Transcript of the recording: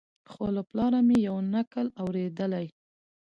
خو له پلاره مي یو نکل اورېدلی